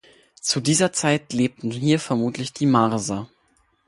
Zu dieser Zeit lebten hier vermutlich die Marser.